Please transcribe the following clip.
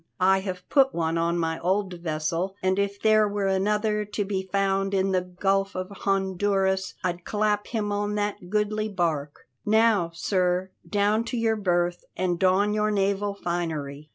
I have put one on my old vessel, and if there were another to be found in the Gulf of Honduras, I'd clap him on that goodly bark. Now, sir, down to your berth, and don your naval finery.